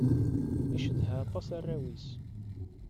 Icedha aṭas arraw-is.